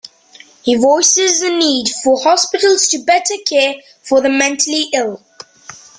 He voices the need for hospitals to better care for the mentally ill.